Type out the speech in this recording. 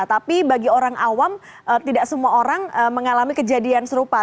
tapi bagi orang awam tidak semua orang mengalami kejadian serupa